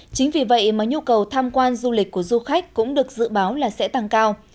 chính vì vậy mà nhu cầu tham quan du lịch của du khách cũng được dự báo là sẽ tăng cao